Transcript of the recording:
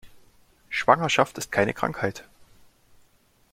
Schwangerschaft ist keine Krankheit.